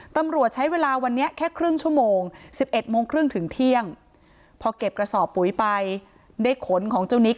ตำรวจใช้เวลาวันนี้แค่ครึ่งชั่วโมง๑๑โมงครึ่งถึงเที่ยงพอเก็บกระสอบปุ๋ยไปได้ขนของเจ้านิก